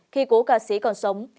khi cố ca sĩ còn sống